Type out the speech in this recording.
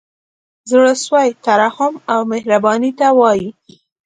زړه سوی ترحم او مهربانۍ ته وايي.